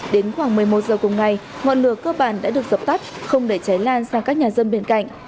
đến khoảng một mươi một giờ cùng ngày ngọn lửa cơ bản đã được dập tắt không để cháy lan sang các nhà dân bên cạnh